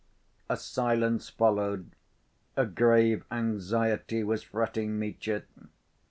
A silence followed. A grave anxiety was fretting Mitya.